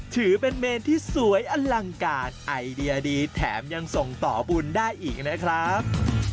ถือเป็นเมนที่สวยอลังการไอเดียดีแถมยังส่งต่อบุญได้อีกนะครับ